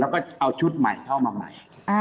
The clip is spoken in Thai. แล้วก็เอาชุดใหม่เข้ามาใหม่